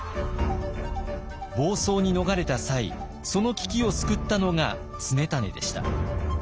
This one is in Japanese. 房総に逃れた際その危機を救ったのが常胤でした。